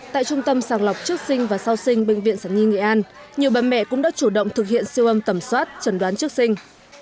tại trung tâm sàng lọc trước sinh và sau sinh bệnh viện sản nhi nghệ an nhiều bà mẹ cũng đã chủ động thực hiện siêu âm tẩm soát trần đoán trước sinh